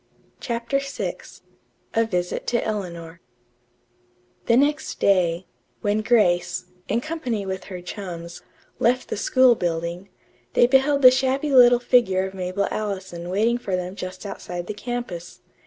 CHAPTER VI A VISIT TO ELEANOR The next day, when Grace, in company with her chums, left the school building, they beheld the shabby little figure of Mabel Allison waiting for them just outside the campus.